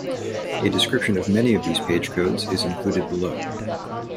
A description of many of these page codes is included below.